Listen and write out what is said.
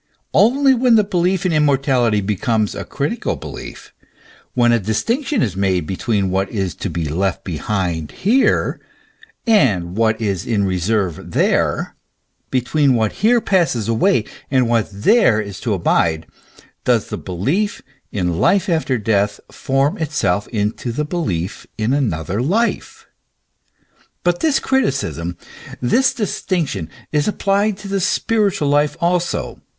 Only when the belief in immortality becomes a critical belief, when a distinc tion is made between what is to be left behind here, and what is in reserve there, between what here passes away, and what there is to abide, does the belief in life after death form itself into the belief in another life ; but this criticism, this distinction, is applied to the present life also.